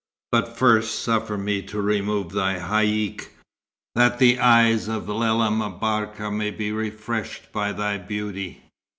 But first suffer me to remove thy haïck, that the eyes of Lella M'Barka may be refreshed by thy beauty."